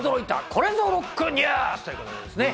これぞロックニュースということでね。